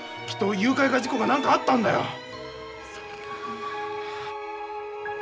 きっと誘拐か事故か何かあったんだよ。